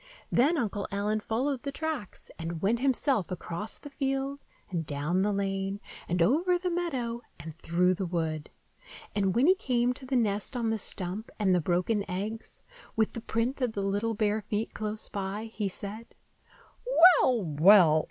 Then Uncle Allen followed the tracks, and went himself across the field and down the lane and over the meadow and through the wood. And when he came to the nest on the stump and the broken eggs, with the print of the little bare feet close by, he said, "Well, well!